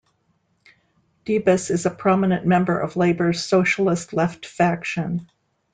Debus is a prominent member of Labor's Socialist Left faction.